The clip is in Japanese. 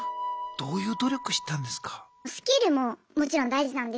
どういう努力したんですか？